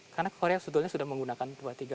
karena korea sudah menggunakan dua ratus tiga puluh lima